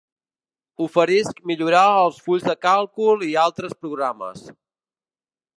Oferisc millorar els fulls de càlcul i altres programes.